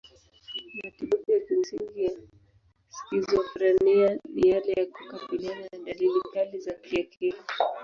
Matibabu ya kimsingi ya skizofrenia ni yale ya kukabiliana na dalili kali za kiakili.